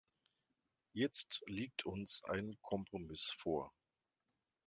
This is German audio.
Jetzt liegt uns ein Kompromiss vor.